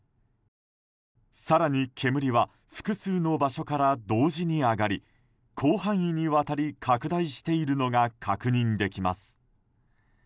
更に、煙は複数の場所から同時に上がり広範囲にわたり拡大しているのが確認できます。